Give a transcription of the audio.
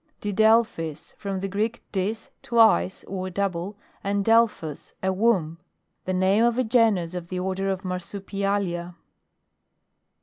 DIDELPHIS. From the Greek, dis, twice or double, and delphus a womb The name of a genus of the older of Marsupialia.